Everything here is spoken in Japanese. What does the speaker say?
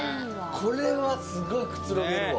これはすごいくつろげるわ。